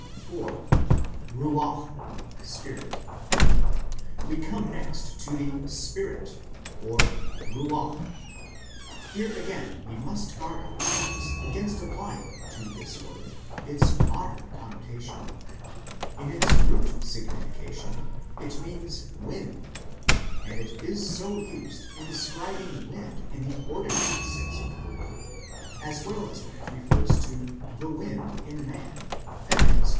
l IV. "RUACH," SPIRIT We come next to the " spirit " (ruach).* Here again we must guard ourselves against applying to this word its modern connotation ; in its root signification it means " wind," 8 and it is so used in describing wind in the ordinary sense of the word, as well as when it refers to the " wind " in man, i.e.